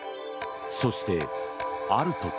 そして、ある時。